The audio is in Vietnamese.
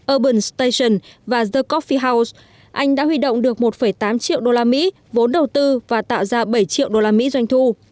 urban station và the coffee house anh đã huy động được một tám triệu đô la mỹ vốn đầu tư và tạo ra bảy triệu đô la mỹ doanh thu